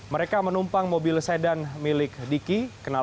mereka menumpang mobil sedan milik diki